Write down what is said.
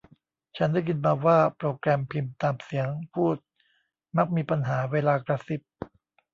ฉันได้ยินมาว่าโปรแกรมพิมพ์ตามเสียงพูดมักมีปัญหาเวลากระซิบ